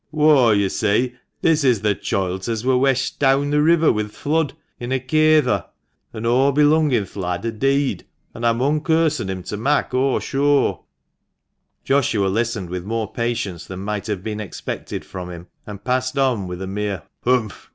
" Whoi, yo' see, this is the choilt as wur weshed deawn th' river wi' th' flood in a kayther ; an' o' belungin' th' lad are deead, an' aw mun kirsen him to mak' o' sure." Joshua listened with more patience than might have been expected from him, and passed on with a mere " Humph